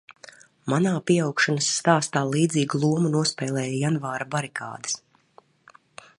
Manā pieaugšanas stāstā līdzīgu lomu nospēlēja janvāra barikādes.